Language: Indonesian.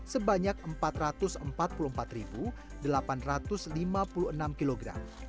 sebanyak empat ratus empat puluh empat delapan ratus lima puluh enam kg